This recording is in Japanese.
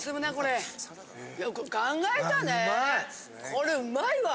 これうまいわ。